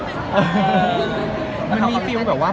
มีโครงการทุกทีใช่ไหม